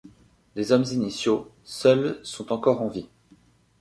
Des hommes initiaux, seuls sont encore en vie.